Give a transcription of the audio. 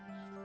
bukan itu pak